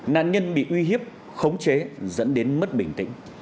nạn nhân bị uy hiếp khống chế dẫn đến mất bình tĩnh